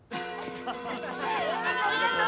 ありがとう！